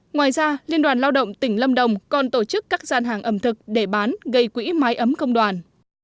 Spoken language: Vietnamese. ngoài ra liên đoàn lao động tỉnh lâm đồng còn tổ chức các gian hàng ẩm thực để bán gây quỹ mái ấm công đoàn